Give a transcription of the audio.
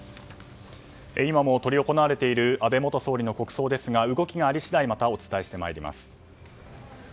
今も執り行われている安倍元総理の国葬ですが動きがあり次第また、お伝えしてまいります。